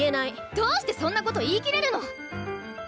どうしてそんなこと言い切れるの！